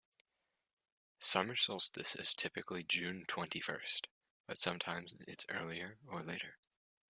Summer solstice is typically June twenty-first, but sometimes it's earlier or later.